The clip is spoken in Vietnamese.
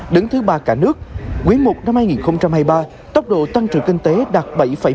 đứng thứ ba cả nước quyến mục năm hai nghìn hai mươi ba tốc độ tăng trưởng kinh tế đạt bảy một mươi hai